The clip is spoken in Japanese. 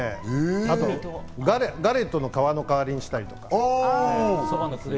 あと、ガレットの皮の代わりにしたり。